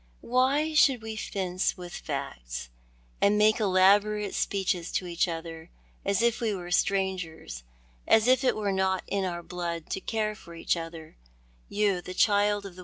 AN'hy should we fence with facts, and make elaborate speeches to each other as if we were strangers, as if it were not in our blood to care for each other — you, the child of the.